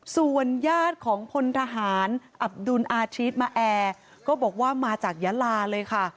ส่วนญาติของพลทหารอับดุลอาชีพมาแอร์ก็บอกว่ามาจากยาลาเลยค่ะ